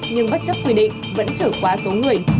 nhưng bất chấp quy định vẫn trở qua số người